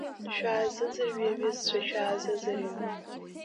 Шәааӡырҩы, аҩызцәа, шәааӡырҩы!